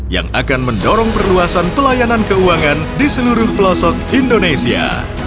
yang akan mendorong perluasan pelayanan keuangan di seluruh pelosok indonesia